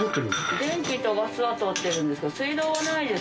電気とガスは通ってるんですけど水道はないです。